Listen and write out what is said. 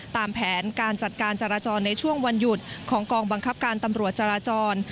ตามแผนการจัดการจราจรในช่วงวันหยุดของกองบังคับการตำรวจจราจร